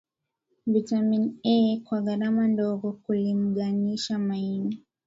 Vitamini A kwa gharama ndogo kulinganisha maini